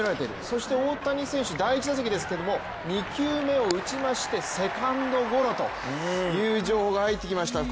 そして大谷選手、第１打席ですけれども２球目を打ちましてセカンドゴロという情報が入ってきました。